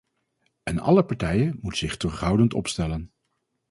En alle partijen moeten zich terughoudend opstellen.